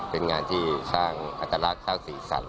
เป็นงานที่สร้างตลาดเทาสีสรัน